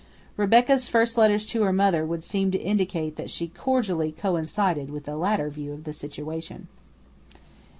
Rebecca's first letters to her mother would seem to indicate that she cordially coincided with the latter view of the situation.